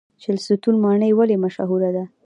چهلستون ماڼۍ ولې مشهوره ده؟